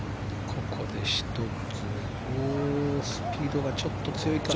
ここで１つスピードがちょっと強いか。